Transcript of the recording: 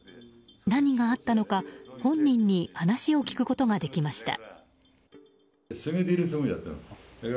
何があったのか本人に話を聞くことができました。